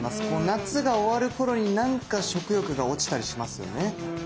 夏が終わる頃になんか食欲が落ちたりしますよね。